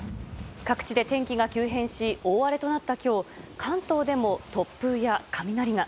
各地で天気が急変し大荒れとなった今日関東でも突風や雷が。